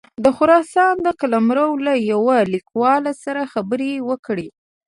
د خراسان د قلموال له یوه لیکوال سره خبرې وکړې.